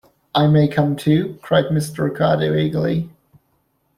"I may come too?" cried Mr. Ricardo eagerly.